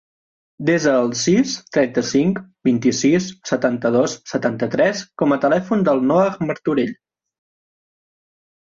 Desa el sis, trenta-cinc, vint-i-sis, setanta-dos, setanta-tres com a telèfon del Noah Martorell.